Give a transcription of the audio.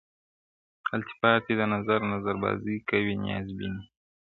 التفات دي د نظر نظر بازي کوي نیاز بیني,